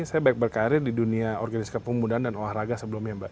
saya baik berkarir di dunia organisasi kepemudaan dan olahraga sebelumnya mbak